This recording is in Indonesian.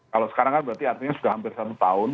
kalau sekarang kan berarti artinya sudah hampir satu tahun